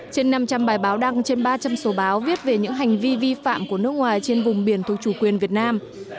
trên năm trăm linh bài báo đăng trên ba trăm linh số báo viết về những hành vi vi phạm của nước ngoài trên vùng biển thuộc chủ quyền việt nam